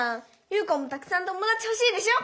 優花もたくさんともだちほしいでしょ？